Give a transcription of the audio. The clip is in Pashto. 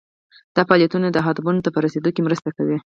دا فعالیتونه اهدافو ته په رسیدو کې مرسته کوي.